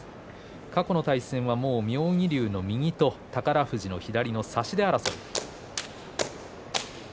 過去の対戦は妙義龍の右と宝富士の左の差し手争いです。